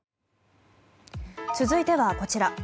続いては、こちら。